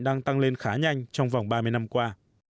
đang tăng lên khá nhanh trong vòng ba mươi năm qua